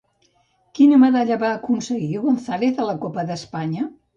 Quina medalla va aconseguir González a la Copa d'Espanya?